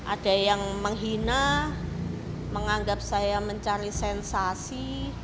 ada yang menghina menganggap saya mencari sensasi